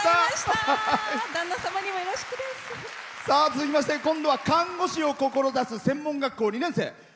続きまして今度は看護師を志す専門学校２年生。